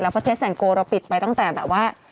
แล้วประเทศแสงโกเราปิดไปตั้งแต่แบบว่า